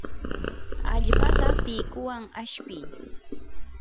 allpata pikuwan ashpii.